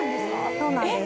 そうなんです。